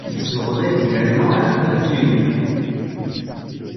Il se remet également à la peinture.